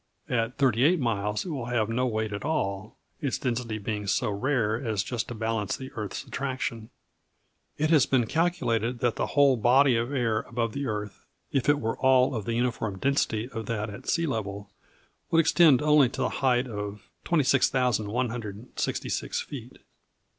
At thirty eight miles it will have no weight at all, its density being so rare as just to balance the earth's attraction. It has been calculated that the whole body of air above the earth, if it were all of the uniform density of that at sea level, would extend only to the height of 26,166 feet.